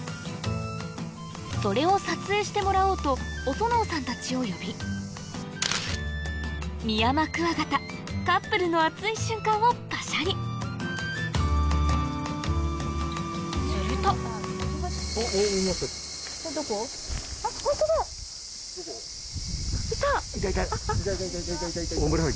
それを撮影してもらおうと小曽納さんたちを呼びミヤマクワガタカップルの熱い瞬間をパシャリするといた！